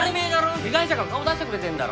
被害者が顔出してくれてんだろ？